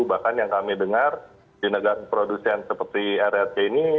bahkan yang kami dengar di negara produsen seperti rrc ini